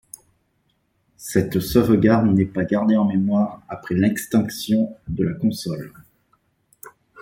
Cette sauvegarde n'est pas gardée en mémoire après l'extinction de la console.